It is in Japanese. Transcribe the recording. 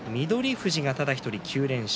富士がただ１人９連勝。